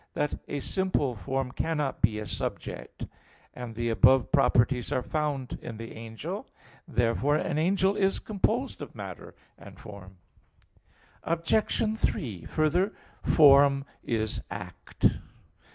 that "a simple form cannot be a subject": and the above properties are found in the angel. Therefore an angel is composed of matter and form. Obj. 3: Further, form is act.